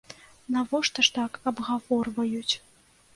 Навошта ж так абгаворваюць?